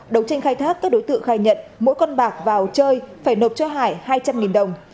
đấu tranh khai thác các đối tượng khai nhận mỗi con bạc vào chơi phải nộp cho hải hai trăm linh đồng